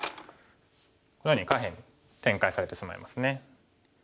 このように下辺に展開されてしまいますね。